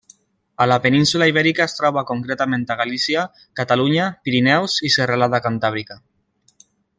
A la península Ibèrica es troba concretament a Galícia, Catalunya, Pirineus i Serralada Cantàbrica.